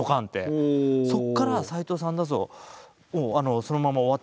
そこから「斎藤さんだぞ」そのまま終わって。